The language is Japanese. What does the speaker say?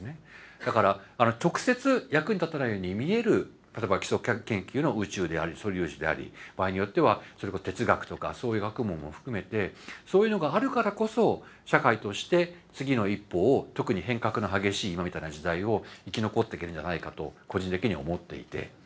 だから直接役に立たないように見える例えば基礎研究の宇宙であり素粒子であり場合によってはそれこそ哲学とかそういう学問も含めてそういうのがあるからこそ社会として次の一歩を特に変革の激しい今みたいな時代を生き残っていけるんじゃないかと個人的には思っていて。